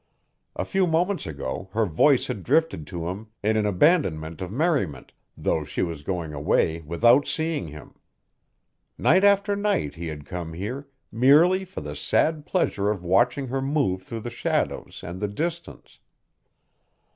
A few moments ago her voice had drifted to him in an abandonment of merriment though she was going away without seeing him. Night after night he had come here, merely for the sad pleasure of watching her move through the shadows and the distance.